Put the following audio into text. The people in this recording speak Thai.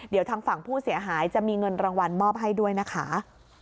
เดี๋ยวทางฝั่งผู้เสียหายจะมีเงินรางวัลมอบให้ด้วยนะคะ